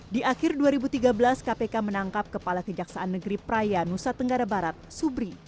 di akhir dua ribu tiga belas kpk menangkap kepala kejaksaan negeri praia nusa tenggara barat subri